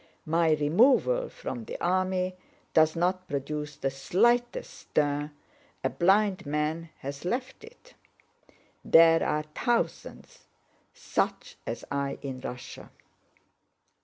My removal from the army does not produce the slightest stir—a blind man has left it. There are thousands such as I in Russia.